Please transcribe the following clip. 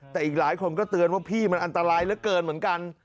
แต่อีกหลายคนก็เตือนว่าพี่มันอันตรายเหลือเกินเหมือนกัน